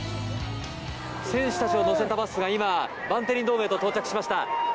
選手たちを乗せたバスが今バンテリンドームへと到着しました。